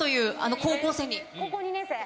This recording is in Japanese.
高校２年生？